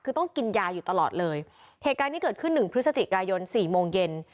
คือต้องกินยาอยู่ตลอดเลยเหตุการณ์ที่เกิดขึ้นหนึ่งพฤศจิกายนสี่โมงเย็น